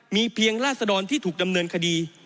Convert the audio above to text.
มีเพียงราศดรที่ถูกดำเนินคดี